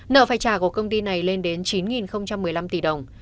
nợ phải trả của công ty này lên đến chín một mươi năm tỷ đồng